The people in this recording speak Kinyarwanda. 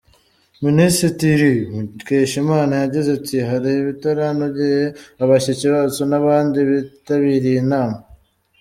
Minisitiri Mukeshimana yagize ati "Hari ibitaranogeye abashyitsi bacu n’abandi bitabiriye inama.